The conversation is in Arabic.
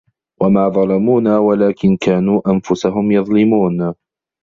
وَمَا ظَلَمُونَا وَلَٰكِنْ كَانُوا أَنْفُسَهُمْ يَظْلِمُونَ